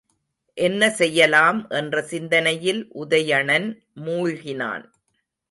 என்ன செய்யலாம் என்ற சிந்தனையில் உதயணன் மூழ்கினான்.